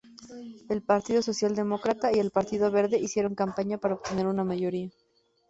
El Partido Socialdemócrata y el Partido Verde hicieron campaña para obtener una mayoría.